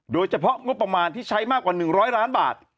โดยเฉพาะงบประมาณที่ใช้มากกว่า๑๐๐ล้านบาท